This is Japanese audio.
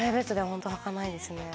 本当はかないですね。